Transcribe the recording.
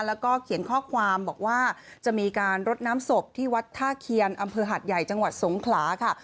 แล้วก็เขียนข้อความบอกว่าจะมีการรดน้ำศพที่วัดท่าเคียนอำเภอหัดใหญ่จังหวัดสงขลาค่ะ